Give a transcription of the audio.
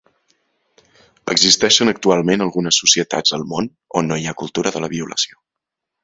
Existeixen actualment algunes societats al món on no hi ha cultura de la violació.